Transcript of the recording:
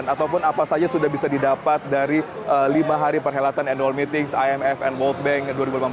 apa saja sudah bisa didapat dari lima hari perhelatan annual meeting imf dan world bank